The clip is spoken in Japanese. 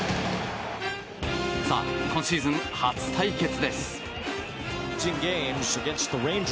さあ、今シーズン初対決です！